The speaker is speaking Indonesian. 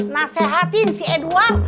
nasihatin si edward